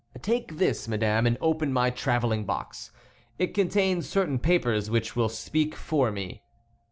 "Take this, madame, and open my travelling box. It contains certain papers which will speak for me."